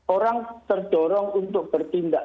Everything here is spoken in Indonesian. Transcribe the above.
orang terdorong untuk berpengalaman